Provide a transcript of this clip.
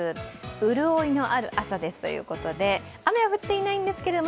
潤いのある朝ですということで、雨は降っていないんですけれども、